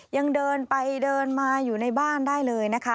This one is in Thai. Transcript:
ยังเดินไปเดินมาอยู่ในบ้านได้เลยนะคะ